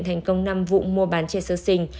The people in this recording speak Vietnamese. thành công năm vụ mua bán trẻ sơ sinh